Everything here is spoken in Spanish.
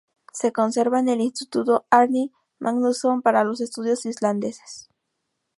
Se conserva en el Instituto Árni Magnússon para los Estudios Islandeses.